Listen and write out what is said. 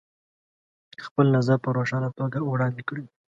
خپل نظر په روښانه توګه وړاندې کړئ.